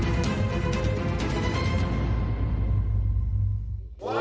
สวัสดีครับ